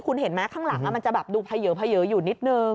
คุณเห็นไหมข้างหลังมันจะแบบดูเผยอยู่นิดนึง